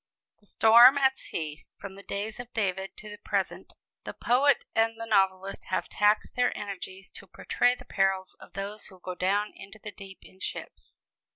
The Storm at Sea! From the days of David to the present, the poet and the novelist have taxed their energies to portray the perils of those who go down into the deep in ships.